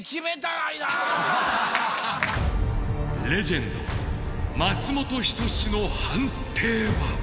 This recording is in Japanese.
レジェンド松本人志の判定は？